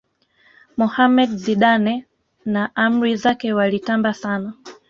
mohammed zidane na amri zaki walitamba sana